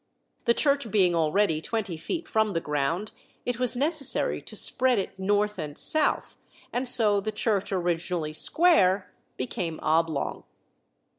The church being already twenty feet from the ground, it was necessary to spread it north and south, and so the church, originally square, became oblong.